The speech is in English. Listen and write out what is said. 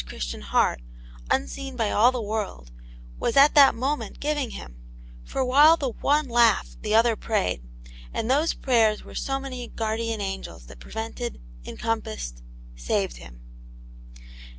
Christian heart, unseen by all the world, was at that moment giving him^! For while the one laughed, the other prayed ; and those prayers were so many guardian angels that prevented, encom passed ^saved him.